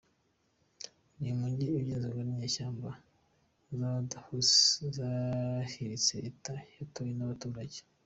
Ni umujyi ugenzurwa n’inyeshyamba z’Aba-Houthis zahiritse leta yatowe n’abaturage.